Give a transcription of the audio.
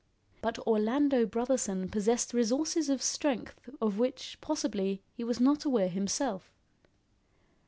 But Orlando Brotherson possessed resources of strength of which, possibly, he was not aware himself.